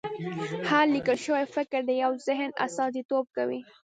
هر لیکل شوی فکر د یو ذهن استازیتوب کوي.